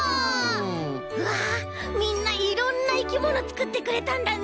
うわみんないろんないきものつくってくれたんだね！